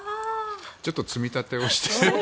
ちょっと積み立てをして。